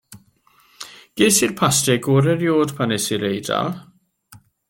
Ges i'r pasta gora 'rioed pan es i i'r Eidal.